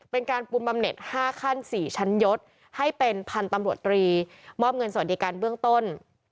เป็นการปุ่มบำเน็ต๕ขั้น๔ชั้นยศให้เป็นพันธุ์ตำรวจตรีมอบเงินสวัสดิการเบื้องต้น